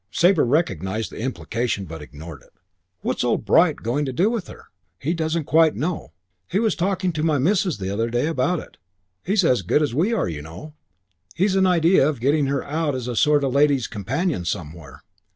Sabre recognised the implication but ignored it. "What's old Bright going to do with her?" "He doesn't quite know. He was talking to my missus about it the other day. He's as good as we are, you know. He's an idea of getting her out as a sort of lady's companion somewhere."